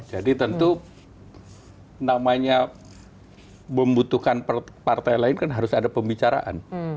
jadi tentu namanya membutuhkan partai lain kan harus ada pembicaraan